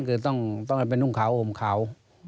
คือต้องให้เป็นนุ่งขาวห่มขาว